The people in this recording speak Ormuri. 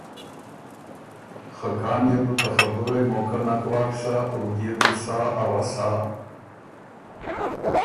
خه کان يې بو ته خبُرئ موقع نک واک سَۀ او بيې بُو سا اؤسا